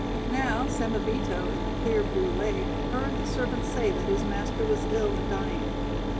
Now Samebito, in the clear blue lake, heard the servants say that his master was ill and dying.